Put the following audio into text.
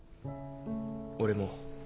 俺も。